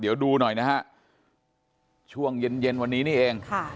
เดี๋ยวดูหน่อยนะฮะช่วงเย็นเย็นวันนี้นี่เองค่ะ